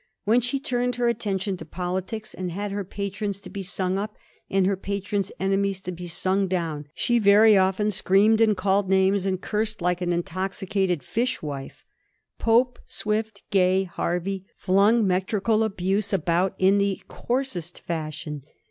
When she turned her at tention to politics, and had her patrons to be sung up and her patrons' enemies to be sung down, she very often screamed and called names, and cursed like an intoxicated fish wife. Pope, Swift, Gay, Hervey, flung metrical abuse about in the coarsest fashion.